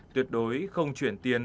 tuyệt đối không chuyển tiền